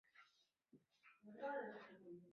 东京都中野区出生。